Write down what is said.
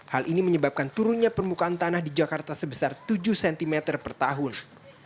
hal ini menyebabkan turunnya permukaan tanah di jakarta sebesar tujuh cm per tahun